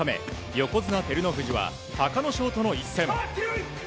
横綱・照ノ富士は隆の勝との一戦。